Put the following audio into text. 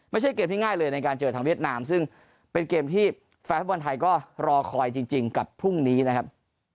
ไม่ใช่เกมที่ง่ายเลยในการเจอทางเวียดนามซึ่งเป็นเกมที่แฟนฟุตบอลไทยก็รอคอยจริงกับพรุ่งนี้นะครับ